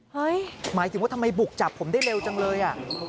หมายถึงว่าทำไมบุกจับผมได้เร็วจังเลย